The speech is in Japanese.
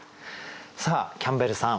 さあキャンベルさん。